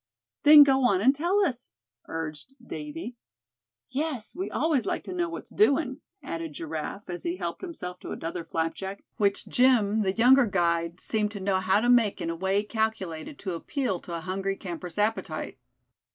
"Then go on and tell us," urged Davy. "Yes, we always like to know what's doing," added Giraffe, as he helped himself to another flapjack, which Jim, the younger guide, seemed to know how to make in a way calculated to appeal to a hungry camper's appetite.